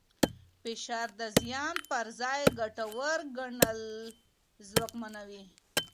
فشار د زیان پر ځای ګټور ګڼل ځواکمنوي.